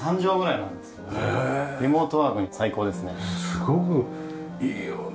すごくいいよね。